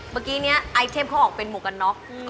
เมื่อกี้นี้ไอเทมเขาออกเป็นหมวกกันน็อก